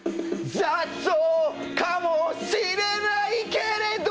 雑草かもしれないけれど